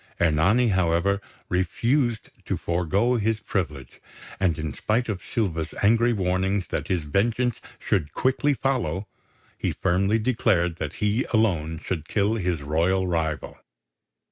Ernani, however, refused to forego his privilege; and in spite of Silva's angry warning that his vengeance should quickly follow, he firmly declared that he alone should kill his royal rival.